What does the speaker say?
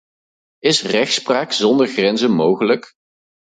Is rechtspraak zonder grenzen mogelijk?